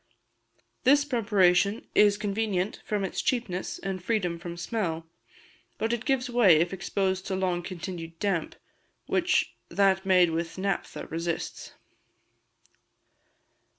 This preparation is convenient from its cheapness and freedom from smell; but it gives way if exposed to long continued damp, which that made with naphtha resists.